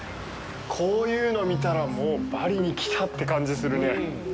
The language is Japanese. こういうの見たらもうバリに来た！って感じするね。